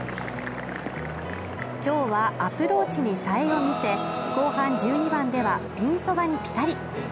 今日はアプローチにさえを見せ後半１２番ではピンそばにピタリ